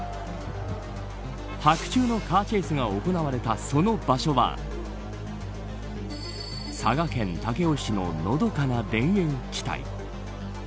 白昼のカーチェイスが行われたその場所は佐賀県武雄市ののどかな田園地帯。